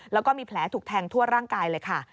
แล้วก็มีแผลถูกแทงทั่วร่างกายเลยค่ะ